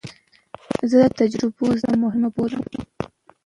زه له تجربو زده کړه مهمه بولم.